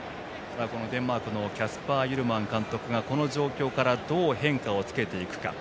デンマークのキャスパー・ユルマン監督がこの状況からどう変化をつけていくか。